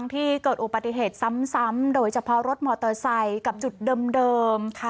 ที่เกิดอุบัติเหตุซ้ำโดยเฉพาะรถมอเตอร์ไซค์กับจุดเดิม